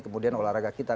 kemudian olahraga kita